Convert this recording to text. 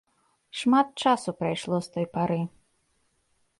Шмат часу прайшло з той пары.